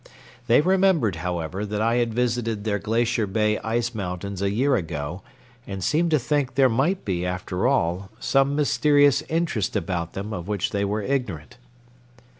They remembered, however, that I had visited their Glacier Bay ice mountains a year ago, and seemed to think there might be, after all, some mysterious interest about them of which they were ignorant.